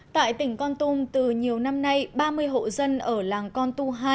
tại tỉnh con tum từ nhiều năm nay ba mươi hộ dân ở làng con tum hai